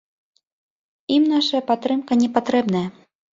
Ім нашая падтрымка не патрэбная.